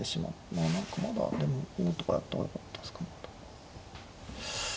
まあ何かまだでもこうとかやった方がよかったですかまだ。